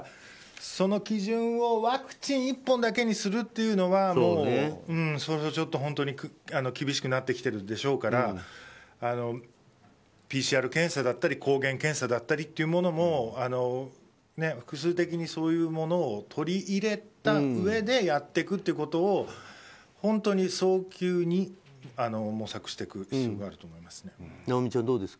その基準をワクチン一本だけにするというのはもう、ちょっと本当に厳しくなってきてるでしょうからＰＣＲ検査だったり抗原検査だったりというものも複数的にそういうものを取り入れたうえでやっていくっていうことを本当に早急に模索していく必要があると思います。